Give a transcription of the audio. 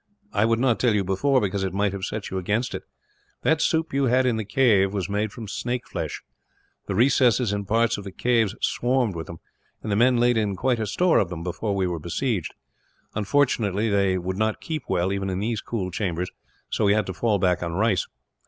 I would not tell you before, because it might have set you against it. That soup you had in the cave was made from snake flesh. The recesses in parts of the caves swarmed with them, and the men laid in quite a store of them, before we were besieged. Unfortunately they would not keep well, even in these cool chambers, so we had to fall back on rice.